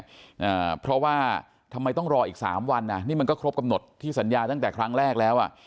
อ่าเพราะว่าทำไมต้องรออีกสามวันอ่ะนี่มันก็ครบกำหนดที่สัญญาตั้งแต่ครั้งแรกแล้วอ่ะ